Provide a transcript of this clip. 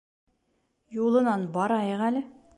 Юлынан барайыҡ әле.